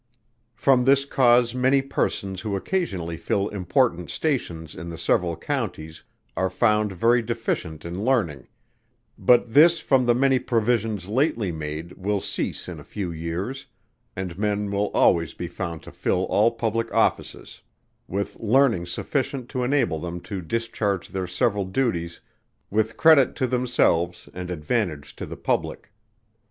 From this cause many persons who occasionally fill important stations in the several counties, are found very deficient in learning, but this from the many provisions lately made will cease in a few years, and men will always be found to fill all public offices, with learning sufficient to enable them to discharge their several duties with credit to themselves and advantage to the public.